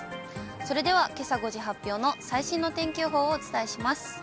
それではけさ５時発表の最新の天気予報をお伝えします。